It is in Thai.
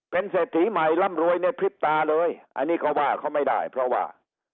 เป็นเศรษฐีใหม่ร่ำรวยในพริบตาเลยอันนี้ก็ว่าเขาไม่ได้เพราะว่า